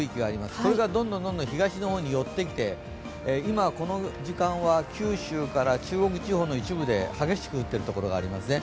これからどんどん東の方に寄ってきて、今ごき時間は九州から中国地方の一部で激しく降っているところがありますね。